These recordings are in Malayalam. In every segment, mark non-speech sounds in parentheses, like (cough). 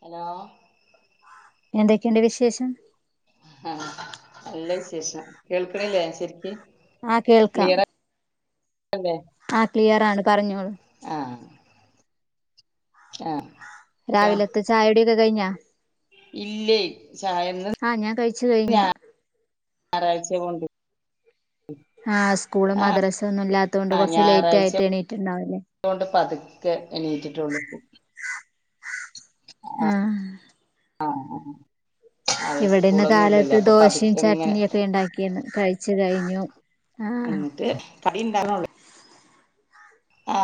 ഹലോ എന്തൊക്കെണ്ട് വിശേഷം ആ നല്ല വിശേഷം കേൾക്കണില്ലേ ശരിക്ക് ആകേൾക്കാം ക്ലിയർ അല്ലേ ആ ക്ലിയർ ആണ് പറഞ്ഞോളൂ ആ ആ രാവിലത്തെ ചായയുടെ ഫുടൊക്കെ കയ്ഞ്ഞാ ഇല്ലേ ചയന്ന് ആ ഞാൻ കഴിച്ചു കഴിഞ്ഞ് ഞായറാഴ്ച ന്റെ ഫോണ് ആസ്കൂളും മദ്രസ ഒന്നും ഇല്ലാത്ത കൊണ്ട് ആ കുറച്ച് ലേറ്റ് ഞായറാഴ്ച ആയിട്ട് എണീട്ടുണ്ടാവല്ലേ കെ എനീറ്റിട്ടു ള്ളൂ ആ ആ ആ ഇവിടെന്ന് സ്കൂളൊന്നും കാലത്ത് ഇല്ലല്ലോ അപ്പൊ ദോശയും പതുക്കെ ഇങ്ങനെ ചട്നിയ ഒക്കെ ഉണ്ടാക്കിയന്ന് കഴിച്ച കഴിഞ്ഞു ന്നു എന്നി ട്ട് കറിയു ണ്ടാ വു ള്ള ആ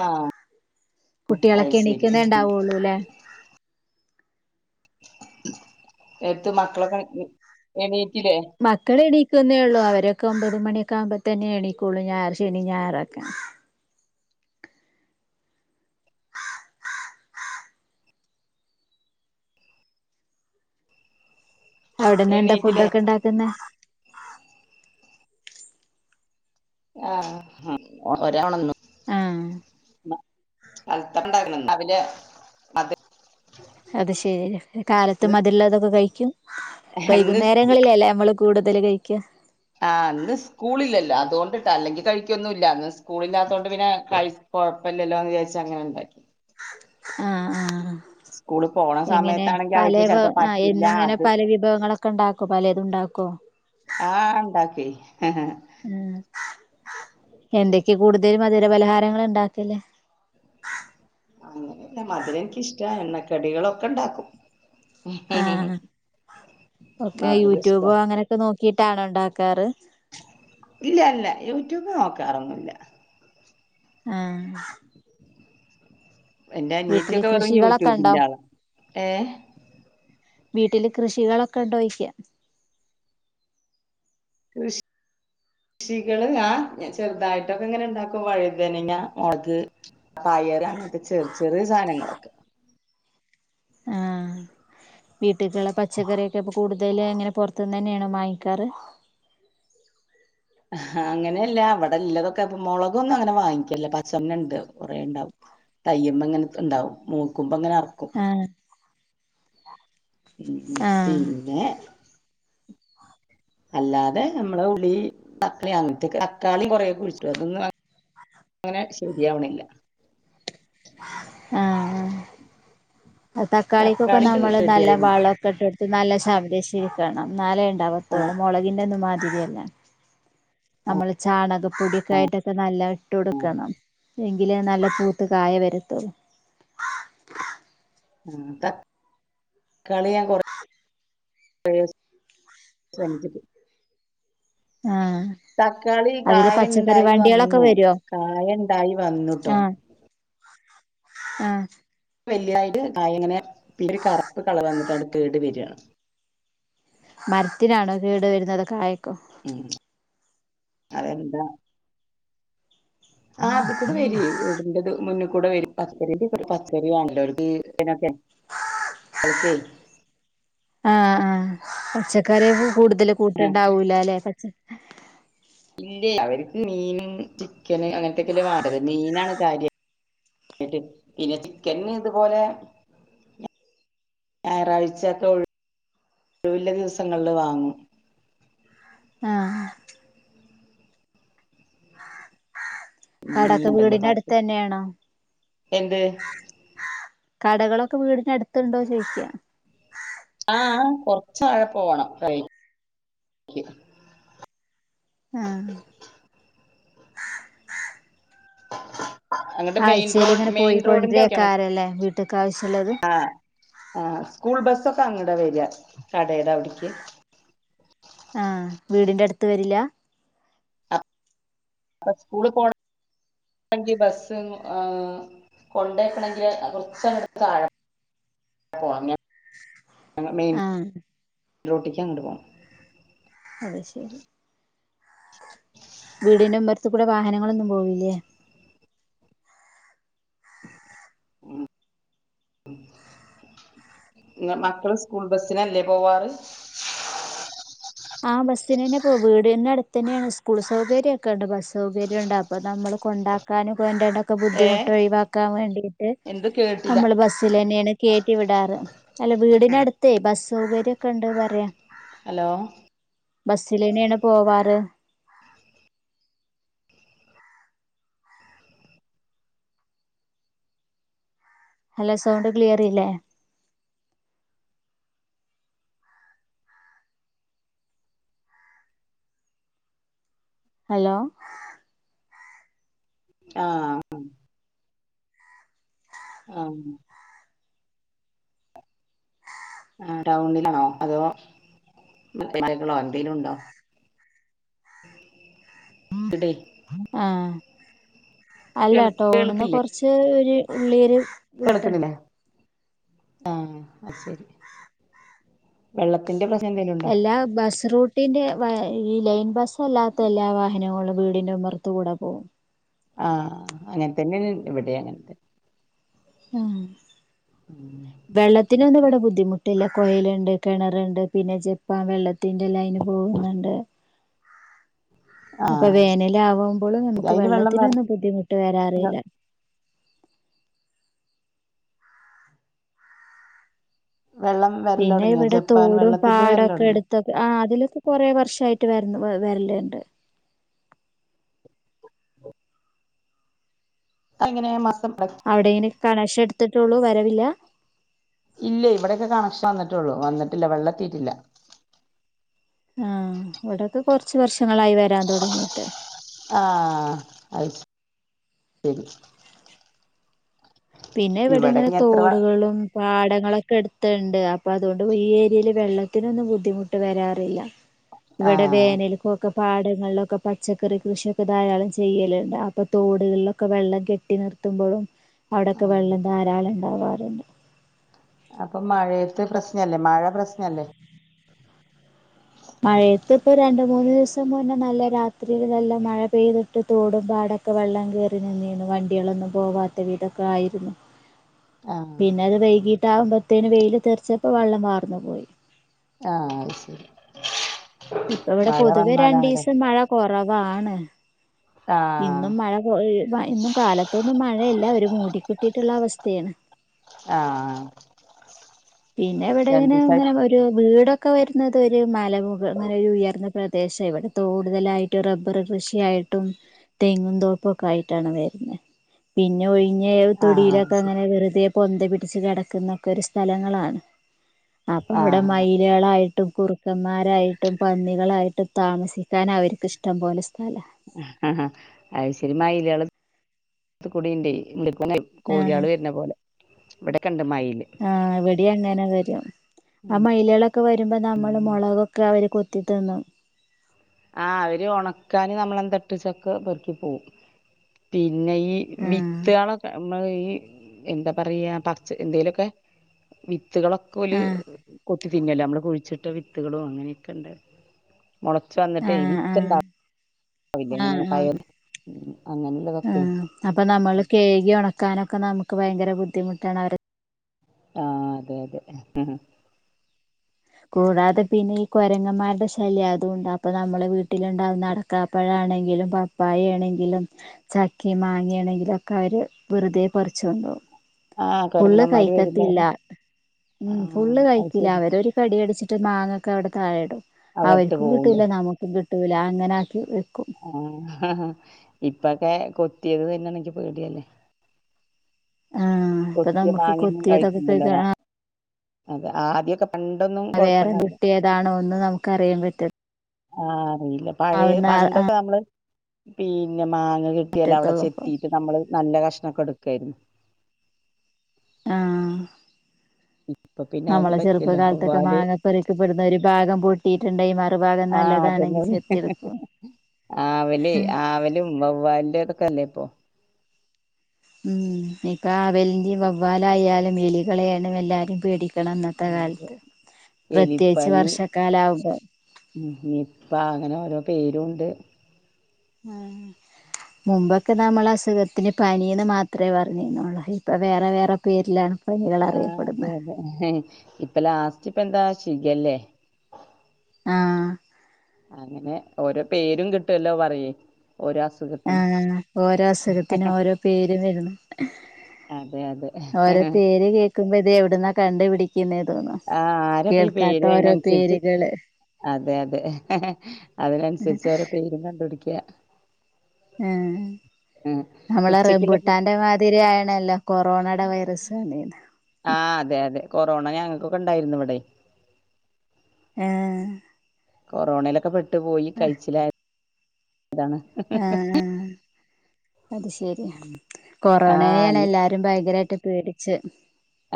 അത് കുട്ടികളൊക്കെ ശരി എണിക്കുന്നേ ഉണ്ടാവുള്ളൂല്ലേ നേടുത്ത് മക്കളൊക്കെ എണി മക്കള എടി കു ന്നേള്ളൂ അവരൊക്കെ ഒമ്പത് മണിയൊക്കെ ആകുമ്പോ തന്നെ എണീക്കുള്ളൂ ഞായർ ശനി ഞായറൊക്കെ അവിടന്ന് എന്താ ഫുഡ എണീറ്റില്ലേ ഒക്കെ ഇണ്ടാക്കുന്ന ആ ഒരാളു ന്നു ആ അത്തണ്ട അതില് അത് അത് ശെരി ഇന്ന് കാലത്തും അതിള്ളതൊക്കെ കഴിക്കും ഇന്ന് സ്കൂ വൈകുന്നേരങ്ങളില അല്ലേ നമ്മള് കൂടുതൽ കഴിക്കുക ആഹ് അന്ന് സ്കൂള ഇില്ലല്ലോ അതുകൊണ്ടിട്ടാ അല്ലെങ്കി കഴിക്കൊന്നും ഇല്ല അന്ന് സ്കൂള ഇില്ലാത്തോണ്ട് പിന്നെ കഴ കൊഴപ്പില്ലല്ലോ എന്ന് വിചാരിച്ച അങ്ങനെ ഉണ്ടാക്കി ആഹ ആഹ പോണ എങ്ങനെ സമയത്താണെങ്കി പല അവർക്ക് ചെലപ്പോ ആ എന്ന പറ്റില്ല എങ്ങനെ അത് പല വിഭവങ്ങളൊക്കെ ഉണ്ടാക്കോ പല ഇതുണ്ടാക്കോ ആഹ ഹ എന്തൊക്കെയ കൂടുതൽ മധുരപലഹാരങ്ങൾ ഉണ്ടാകുന്നെ അങ്ങനെയല്ല മധുരം എനിക്കിഷ്ട എണ്ണക്കടികളൊക്കെ ഉണ്ടാക്കും ആഹ ഓക്കെ മധുരം ഇഷ്ടാ യൂട്യൂബോ അങ്ങനെയൊക്കെ നോക്കി ക്കിട്ടാണ് ഉണ്ടാക്കാറ് ഇല്ല ഇല്ല യൂട്യൂബ് നോക്കാറൊന്നുല്ല ആഹ എന്റെ അനിയറ്റൊക്കെ പറങ്ങ കൃഷികളൊക്കെ ഉണ്ടോ യൂട്യൂബിന്റെ ആള ഏ വീട്ടില് കൃഷികളൊക്കെ ഉണ്ടോന്നു ചോദിച്ചതാ കൃഷി കൃഷികള് ആ ചെറുതായിട്ടൊക്കെ ഇങ്ങനെ ഇണ്ടാക്കും വഴുതനങ്ങ മുളക് പയറ് അങ്ങനത്തെ ചെറിയ ചെറിയ സാധനങ്ങളൊക്കെ ആ വീട്ടക്കുള്ള പച്ചക്കറിയൊക്കെപ്പോ കൂടുതൽ എങ്ങനെ പൊറത്തുന്ന് തന്നെയാണോ വാങ്ങിക്കാറ് അങ്ങനെയല്ല അവിടെള്ളതൊക്കെ മുളകൊന്നും അങ്ങനെ വാങ്ങിക്കല്ല പച്ചന്ന ഉണ്ട് കുറെേ ഉണ്ടാവും തയ്യ്പോ അങ്ങനെ ഇണ്ടാവും മൂക്കും അപ്പൊ അങ്ങനെ അറക്കും ആഹ് ഉം ഉ ആഹ് പിന്നെ അല്ലാതെ നമ്മള ഉളി തക്കാളി അങ്ങനത്തെ തക്കാളിയും കൊറെൊക്കെ കുഴിച്ചിട്ടു അതൊന്നും അങ്ങനെ ശെരിയാവണില്ല ആഹ് തക്കാളിക്കൊക്കെ തക്കാളി നമ്മള് റെഡി നല്ല ആവില്ല വള മക്കെയിട്ട് നല്ല ശബ്രിശിരിക്കണം നാല ആ മുളകിന്റെ ആ നമ്മൾ ചാണകം പൊടിക്കായിട്ടൊക്കെ നല്ല ഇട്ട് കൊടുക്കണം എങ്കില് നല്ല പൂത്ത് കായ വരത്തുള്ളൂ ആ കളി ഞാൻ കൊറ ശ്രമിച്ചിട്ട ആഹ് തക്കാളി അതില് പച്ചക്കറി കായുണ്ടായി വണ്ടികളൊക്കെ വന്നു വരുവോ കായുണ്ടായി വന്നുട്ടോ ആഹ വല്യതായിട്ട് കായ ഇങ്ങനെ പിന്ന ഒരു കറുപ്പ് കളർ വന്നിട്ട് അടെ കേട് വരിയാണ് മരത്തിനാണോ കേട് വരുന്നത് കായക്കോ ഉം അതന്ത ആ അത് കൂടെ വര വീടിന്റെ മുന്നിൽ കൂടെ വരും പച്ചറിറെ പച്ചറ ആണല്ലോ അവർക്ക് ഇൊക്കെളക്ക ആഹ ആഹ് പച്ചക്കറിയ പോൂ കൂടുതല് കൂട്ടുണ്ടാവൂല്ല ല്ലെ സച്ചി ഇല്ലേ അവര്ക്ക് മീന് ചിക്കന് അങ്ങനത്തക്കെല്ലേ വാണ്ടത് മീനാണ് കാര്യാ യിട്ട് പിന്നെ ചിക്കന് ഇതുപോലെ ഞാ ഞായറാഴ്ച്ചത്തെ ഒഴിവുള്ള ദിവസങ്ങളില് വാങ്ങും ആഹ് മീൻ ആടൊക്കെ ഉണ്ടല്ലോ വീടിന്റെ പത്ത് അടുത്ത് തന്നെയാണോ എന്ത് കടകളൊക്കെ വീടിന് അടുത്തുണ്ടോ ചോദിക്കാ ആ ആ കൊറച്ചാഴെ പോണം (unintelligible) ആഹ് അങ്ങോട്ട് മെയിൻ ആഴ്ച്ചേല് റോഡ് ഇങ്ങനെ മെയിൻ പോയി റോഡിന്റെ കൊണ്ട്‌ അവിടെയാണ് ക്കാര്ല്ലേ വീട്ട്ക്ക് ആവശ്യള്ളത് ആ സ്കൂൾ ബസ്സൊക്കെ അങ്ങട വരിയാ കടെട അവിടക്ക് ആ വീടിന്റെ അടുത്ത് വരില്ല അപ്പ സ്കൂളി പോണങ്കി ബസ് ഇങ്ങു ആ കൊണ്ടെക്കണങ്കി കുറച്ചെങ്ങട് തായേ പോണം ഞങ്ങടെ മെയിൻ ആഹ് റോട്ടിക്കാ അങ്ങട് പോണം അത് ശരി അത് കൂട വാഹനങ്ങളൊന്നും പോവില്ലേ മക്കള് സ്കൂൾ ബസിനല്ലേ പോവാറ് ആ ബസ്സിന് തന്നെ പോ വീടിന്റെ അടുത്ത് തന്നെയാണ് സ്കൂള് സൗകര്യക്കെ എണ്ട് ബസ് സൗകര്യം ഒണ്ട് അപ്പ നമ്മള് കൊണ്ടാക്കാനും എട ഏ ബുദ്ധിമുട്ട് ഒഴിവാക്കാൻ വേണ്ടിട്ട് എന്ത് കേട്ടില്ല നമ്മള് ബസിൽ അന്നെയാണ് കേറ്റി വിടാറ് അല്ല വീടിനടു അത് ബസ് സൗകര്യക്കെ എണ്ട് പറയാ ഹലോ ബസ്സിലേന്നെയാണ് പോവാറ് അല്ല സൗണ്ട് ക്ലിയറില്ലേ ഹലോ ആ ആ ആ ടൗണിലാണോ അതോ മറ്റേളോ എന്തേലും ഒണ്ടോ ആ അല്ല കേൾ- ടൗണീന്ന് കൊറച്ച് ഈ ഉള്ളേര് വെളക്കുണില്ലേ ആ അത് ശരി വെള്ളത്തിന്റെ പ്രശ് എല്ലാ ബസ്റൂട്ടിന്റെ വ ഈ ലൈൻ ബസ് അല്ലാത്ത എല്ലാ വാഹനങ്ങളും വീട്ന്റെ ഉമ്മർത്ത്‌ കൂടെ പോവും ആ അങ്ങൻത്തന്നെണ്‌ ഇവ്ടെ അങ്ങൻതന്നെ ആ വെള്ളത്തിനൊന്ന്വ്ടെ ബുദ്ധിമുട്ട്ല്ല കൊയല്ണ്ട് കെണറ്ണ്ട് പിന്നെ ജെപ്പാൻ വെള്ളത്തിന്റെ ലൈന് പോക്ന്ന്ണ്ട് ആ അപ്പൊ വേനലാകുമ്പോളും ശരി നമുക്ക് അതിൽ വെള്ളം വര വെള്ളത്തിനൊന്നും ബുദ്ധിമുട്ട് വരാറില്ല വെള്ളം വരൽ പിന്നെ തുടങ്ങിയോ ഇവിടെ ജപ്പാൻ തോടും വെള്ളത്തിന്റെ വരൽ പാടൊക്കെ തുടങ്ങിയോ എടുത്തൊക്കെ ആ അതിലൊക്കെ കൊറെ വർഷായി റ്റ് വരല് വരലുണ്ട് അയെങ്ങനെ മാ അവിടെ എങനെ കണക്ഷ എടുത്തിട്ടുള്ളൂ വരവില്ല ഇല്ല ഇവിടെക്കെ കണക്ഷൻ വന്നിട്ടുള്ളു വന്നിട്ടില്ല വെള്ളെത്തിട്ടില്ല ആഹ് ഇവിടെക്കെ കൊറച്ച് വർഷങ്ങളായി വരാൻ തുടങ്ങിട്ട് ആഹ് അത് ശരി പിന്നെ ഇവിടെ ഇങ്ങനെ ഇനി എത്ര വ തോടുകളും പാട ങ്ങളൊക്കെ എടുത്ത്ണ്ട് അപ്പൊ അതുകൊണ്ട് ഈ ഏരിയേല് വെള്ളത്തിനൊന്നും ബുദ്ധിമുട്ട് വരാറില്ല ഇവിടെ ആഹ് വേനല്ക്കൊക്കെ പാടങ്ങളിലൊക്കെ പച്ചക്കറി കൃഷിയൊക്കെ ധാരാളം ചെയ്യലുണ്ട് അപ്പൊ തോടുകളിലൊക്കെ വെള്ളം കെട്ടി നിർത്തുമ്പൊഴും അവിടൊക്കെ ആഹ് വെള്ളം ധാരാളം ഇ പോവാറുണ്ട് അപ്പൊ മഴയത്ത് പ്രശ്ന അല്ലേ മഴ പ്രശ്നല്ലേ മഴയത്ത് ഇപ്പൊ രണ്ട് മൂന്ന് ദിവസം മുന്നെ നല്ല രാത്രിയില് നല്ല മഴ പെയ്തിട്ട് തോടുംമ്പാടൊക്കെ വെള്ളം കേറി നിന്നീനു വണ്ടികളൊന്നും പോവാത്ത വിധോക്കെ ആയിരുന്നു ആഹ് പിന്നെ അത് വൈകി മുട്ടാവുമ്പോത്തേന് വെയില് തെറച്ചക്കൊ വെള്ളം വാർന്നു പോയി ആഹ് അത് ശരി ഇപ്പ ഇവിടെ മഴ പൊതുവെ വന്നാലാണല്ലേ രണ്ടീസം മഴ കൊ റവാണ് ആഹ് ഇന്നും മഴ പോയി വ ഇന്നും കാലത്തൊന്നും മഴയില്ല ഒര് മൂടിക്കെട്ടീട്ടുള്ള അവസ് ത്തയാണ് ആ പിന്നെ ഇവിടങ്ങനെ ഇങ്ങനെ ഒരു വീടൊ ക്കെ വരുന്നത് ഒരു മല മുക ഇങ്ങനൊരു ഉയർന്ന പ്ര ത്യാശം ഇവിടെ തൂടുതലായിട്ടും റബ്ബർ കൃഷിയായിട്ടും തെങ്ങും തോപ്പുംക്കെ ആയിട്ടാണ് വരുന്നത് പിന്നെ ഒഴി ഞ്ഞെ ആഹ് അത് തൊടിയിലൊക്കെ ശരി അങ്ങനെ വെറുതെ പൊന്ത പിടിച്ച് കെടക്കുന്നൊക്കൊരു സ്ഥലം ങ്ങളാണ് അപ്പോം വിടെ ആഹ് മയിലളായി ട്ടും കുറുക്കമ്മാരായിട്ടും പന്നികളായിട്ടും താമസിക്കാൻ അവര്ക്കിഷ്ടം പോലെ സ്.... അഹാ അഹ് ശരി മയില്ള് ത് കുടിണ്ടേ മു.... ന്നെ ആഹ് കോഴിയാള് വരുന്ന പോലെ ഇവിടെകണ്ട് മയില് ആഹ് ഇവിടെയും അങ്ങനെ വരും ആ മയിലോലക്കെ വരുമ്പോ നമ്മള് ഉം മുളകൊക്കെ അവര് കൊത്തിത്തിന്നും ആ അവര് ഉണക്കാന് നമ്മളെ ന്താ ട്ട ച്ചൊക്കെ പെറുക്കി പോകും പി പിന്നെ ഈ ആഹ് വിത്തുളൊക്കെ നമ്മ ഈ എന്താ പറയാ പച്ച എന്തേലൊക്കെ കുത്തുകളൊക്കെ പോ ആഹ് കൊത്തി തിന്നല്ലേ നമ്മള് കുഴിച്ചിട്ട് ഒറ്റ വിത്തുകളും അങ്ങനെയൊക്കെ ഉണ്ട് മുള വ വന്നിട്ട് വിക്കണ്ടാ ആഹ ആഹ അങ്ങനെയുള്ളതൊക്കെ ആഹ അപ്പൊ നമ്മള് കേകി നടക്കാനൊക്കെ നമുക്ക് ഭയങ്കര ബുദ്ധിമുട്ടാണ് അവരെ ആഹ അതെ അതെ കൂടാതെ പിന്നെ ഈ കുരങ്ങമാരുടെ ശല്യം അത ഉണ്ട് അപ്പൊ നമ്മുടെ വീട്ടിലുണ്ടാവുന്ന അടക്കാപ്പഴ ആണെങ്കിലും പപ്പായ ആണെങ്കിലും ചക്കി മാങ്ങ ആണെങ്കിലും ഒക്കെ അവര് വെറുതെ കുറച്ച് വന്ന ആഹ് ഫുള്ള് കുരങ്ങന്മാര് വരില്ല കഴിക്കത്തില്ല അവിടെ ഉ ആഹ് ഫുള്ള് അത് കഴിക്കില്ല ശരി അവരരു കടട മറ്റ് മാങ്ങ ഒക്കെ അവിടൊഴെടും അവിടെ ഇട്ട് അവർക്കും കിട്ടൂില്ല പോവുല്ലേ നമുക്കും കിട്ടും കട്ടല അങ്ങനെ ആക്കി ആ ഇപ്പൊക്കെ കൊ കിട്ടിയത് തന്നെയാണനിക്ക് പോേണ്ടിയല്ലേ ആഹ ഇപ്പൊ നമുക്ക് മാങ്ങയൊന്നും കൊത്തിയതൊക്കെ കയി കഴിക്കില്ലല്ലോ മ- അതെ ആ ആദ്യൊക്കെ പണ്ടൊന്നും വേറെ കൊഴപ്പണ്ടാവില്ല വിട്ടിയതാണോന്ന് നമുക്കറിയാൻ പറ്റത് ആഹ അയില്ല പഴയ പണ്ടൊക്കെ നമ്മള് പി മാങ്ങ കിട്ടിയാല അവിടെ പറ്റത്തുള്ളൂ ഇപ്പൊ ചെത്തിീയിട്ട് നമ്മള് നല്ല കഷ്ട ൊക്കെ എടുക്കായിരുന്നു ആഹ ഇപ്പൊ പിന്നെ അതൊന്നും നമ്മളെ പറ്റില്ലല്ലോ ചെറുപ്പകാലത്തൊക്കെ വവ്വാല് മാങ്ങ പക്കപ്പെടുന്ന ഒരു ഭാഗം പൂട്ടിയിട്ടുണ്ടായി മറി ആഹ അതന്നെ ആവല് ആവലും വവ്വാലിന്റെതൊക്കെല്ലേ കുത്തോ ഉം ഇപ്പ അവലിറെ വവ്വാലായാലും എലികളെയണ എല്ലാരും പേടിക്കും ണം അന്നത്തെ ആ, അതെ. കാലത്ത് പ്രത്യേകിച്ച് വർഷക്കാല ആാവ്പോ ഉ ഇപ്പ അങ്ങനെ ഓരോ പേരുുംണ്ട് മുമ്പൊക്കെ നമ്മൾ അസുഖത്തിന് പനന്ന് മാത്രമേ പറഞ്ഞിന്നള്ളൂ ഇപ്പൊ വേറെ വേറെ പേരിലാണ് പനികൾ ആ അതെ അറിയപ്പെടുന്നത് അതെ ഇപ്പൊ ലാസ് തിപ്പന്താ ഷിഖല്ലേ ആ അങ്ങനെ ഓരോ പേരും കിട്ടുവല്ലോ പറയേ ഓരോ ആ അസുഖത്തിന് ഓരോ അസുഖത്തിനും ഓരോ പേരും വരുന്നു അതെ അതെ ഓരോ ആഹ് പേര് കേക്കുമ്പോ ത് എവിടുന്നാ കണ്ടു പിടി ആ ആരപ്പ ഈ പേര് ഓരോ അതിനൻസരിച്ചു പേരുകള് അതെ അതെ, അതിനൻസരിച്ച് ഓരോ പേരും കണ്ടുപിടിക്ക്യ ആ ഉം. നമ്മള് ഉച്ചക്കുള്ള ഫുഡ് റബുട്ടാന്റെ മാതിരി ആയണല്ലേ കൊറോണടെ വൈറസ്. ആ അതെ അതെ കൊറോണ ഞങ്ങക്കൊക്കെ ഇണ്ടാരുന്നു ഇവടെ. ഏ? കൊറോണയിലക്കെപ്പെ ട്ട് പോയി കഴിച്ചിലായ അതാണ്. ആഹ് ആഹ് അത് ശെരി. കൊറോണെനെയാണ് ആഹ് എല്ലാരും ഭയങ്കരായി ഇട്ട് പേടിച്ച്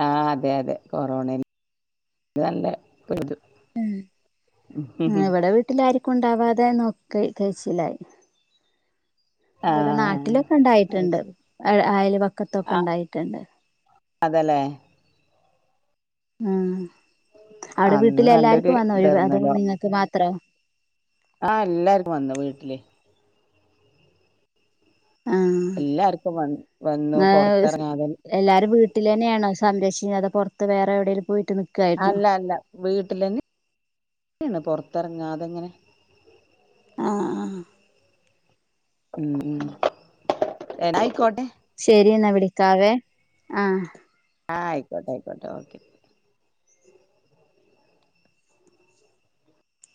ആഹ് അതെ അതെ കൊറോണയിൽ ഇത് നല്ലേ (unintelligible) ഉം ആ ഇവിടെ വീട്ടിലാരിക്കെ ഉണ്ടാവാതെ നോക്കി. കഴിച്ചിലായി. ഇവിടെ ആഹ് അത് നാട്ടിലൊക്കിണ്ടായിറ്റിണ്ട്. ശരി അയ അയൽ പക്കം ആഹ് അതല്ലേ? ആഹ് അവടെ അന്ന് നല്ലൊരു വീട്ടിലെല്ലാർക്കും വന്നോ ഒരു അതൊ നിങ്ങക്ക് മാത്രോ? ആഹ എല്ലാർക്കും വന്ന് വീട്ടില് ആഹ എല്ലാർക്കും വ വന്നു ന്നാ ഒരു സ് പൊറത്തിറങ്ങാതെ എല്ലാരും വീട്ടിൽ തന്നെയാണ്? സ് സംരക്ഷിക്കുന്ന് അത് പൊറത്ത് വേറെ എവിടെലും പോയി അല്ല അല്ല വീട്ടിലന്നെ അങ്ങനാണ് പൊറത്തെറങ്ങാത്ങ്ങനെ. ആഹ ആഹ്. ഉം എന്നായിക്കോട്ടെ. ശരി എന്നാ വിളിക്കാവേ. ആഹ്. ആഹ്. ആയിക്കോട്ടെ ആയിക്കോട്ടെ ഓക്കെ.